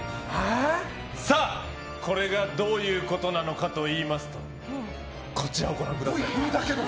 さあ、これがどういうことなのかといいますとこちらをご覧ください。